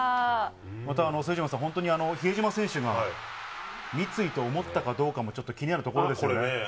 また副島さん、比江島選手が三井と思ったかどうかもちょっと気になるところですよね。